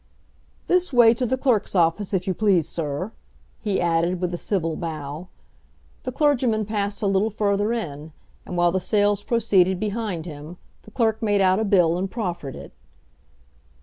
"This way to the clerk's office if you please, Sir," he added, with a civil bow. The clergyman passed a little further in; and while the sales proceeded behind him, the clerk made out a bill and proffered it.